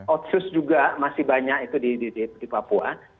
otsus juga masih banyak itu di papua